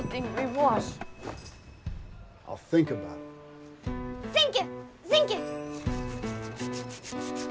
センキューセンキュー。